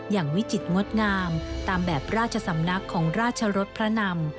วิจิตรงดงามตามแบบราชสำนักของราชรสพระนำ